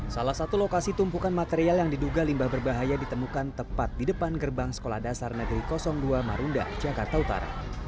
salah satu lokasi tumpukan material yang diduga limbah berbahaya ditemukan tepat di depan gerbang sekolah dasar negeri dua marunda jakarta utara